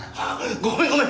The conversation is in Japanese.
ごめんごめん。